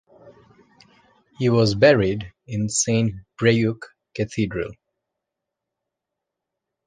He was buried in Saint-Brieuc Cathedral.